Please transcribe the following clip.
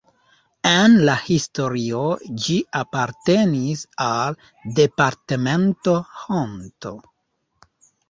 En la historio ĝi apartenis al departemento Hont.